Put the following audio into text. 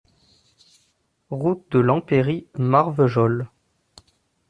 Route de l'Empéry, Marvejols